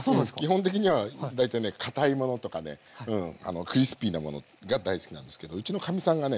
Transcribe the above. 基本的には大体ねかたいものとかねクリスピーなものが大好きなんですけどうちのかみさんがね